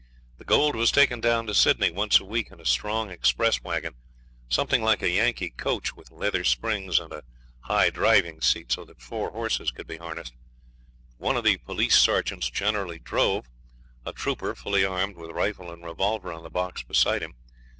The gold was taken down to Sydney once a week in a strong express waggon something like a Yankee coach, with leather springs and a high driving seat; so that four horses could be harnessed. One of the police sergeants generally drove, a trooper fully armed with rifle and revolver on the box beside him.